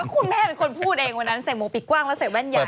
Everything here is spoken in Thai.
คุณแม่เป็นคนพูดเองวันนั้นใส่หมูปิดกว้างแล้วใส่แว่นใหญ่